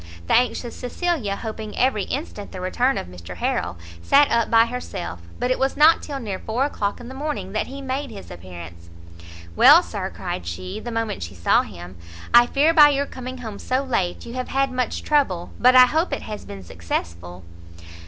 The anxious Cecilia, hoping every instant the return of Mr Harrel, sat up by herself: but it was not till near four o'clock in the morning that he made his appearance. "Well, sir," cried she, the moment she saw him, "I fear by your coming home so late you have had much trouble, but I hope it has been successful?"